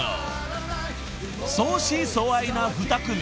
［相思相愛な２組。